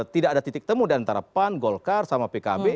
tidak ada titik temu diantara pan golkar sama pkb